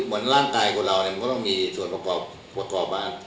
เพราะฉะนั้นร่างกายของเรามันก็ต้องมีส่วนประกอบมา